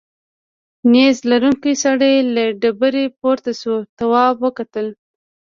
نیزه لرونکی سړی له ډبرې پورته شو تواب وکتل.